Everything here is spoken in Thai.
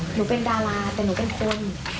หนูเป็นดาราแต่หนูเป็นคน